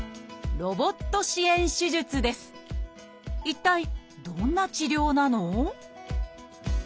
一体どんな治療なの？